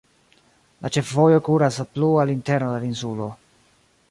La ĉefvojo kuras plu al interno de la insulo.